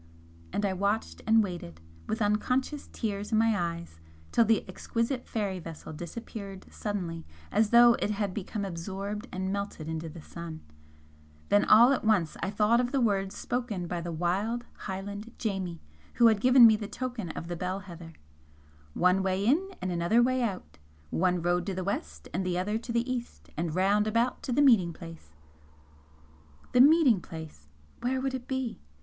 And I watched and waited, with unconscious tears in my eyes, till the exquisite fairy vessel disappeared suddenly as though it had become absorbed and melted into the sun; then all at once I thought of the words spoken by the wild Highland 'Jamie' who had given me the token of the bell heather "One way in and another way out! One road to the West, and the other to the East, and round about to the meeting place!" The meeting place! Where would it be?